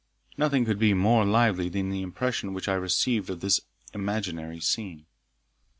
Nothing could be more lively than the impression which I received of this imaginary scene.